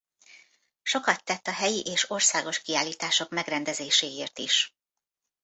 Sokat tett a helyi és országos kiállítások megrendezéséért is.